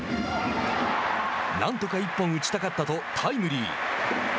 なんとか１本打ちたかったとタイムリー。